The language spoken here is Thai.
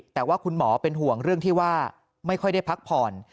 แต่ว่าคุณหมอเป็นห่วงเรื่องที่ว่าไม่ค่อยได้พักผ่อน